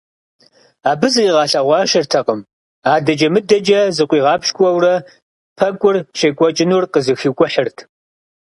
Абы зыкъигъэлъэгъуащэртэкъым – адэкӀэ-мыдэкӀэ зыкъуигъапщкӀуэурэ пэкӀур щекӀуэкӀынур къызэхикӀухьырт.